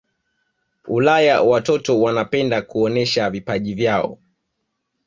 ulaya watoto wanapenda kuonesha vipaji vyao